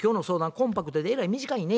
コンパクトでえらい短いね。